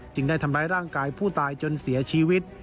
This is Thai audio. ได้ทำร้ายร่างกายผู้ตายจนเสียชีวิต